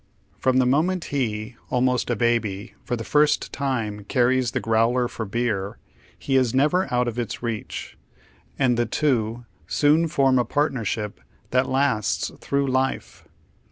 From the moment he, almost a baby, for the fii st time carries the growler for beer, he is never out of its reach, and the two soon form a partnership that lasts through life.